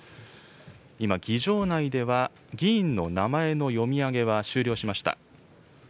今、議場内では、議員の名前の読み上げは終了しました。